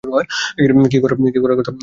কি করার কথা ভাবছেন আপনারা?